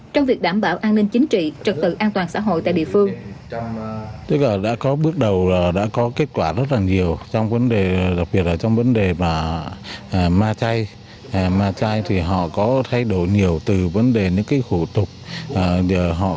trong việc đảm bảo an ninh chính trị trật tự an toàn xã hội tại địa phương